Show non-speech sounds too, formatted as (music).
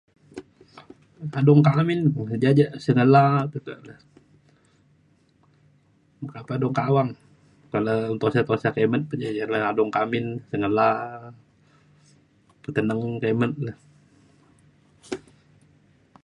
kadung ta amin ku ja ja sek sengela (unintelligible) meka padung kak awang um tusah tusah kimet pe ji layan adung kak amin sengela peteneng kimet le.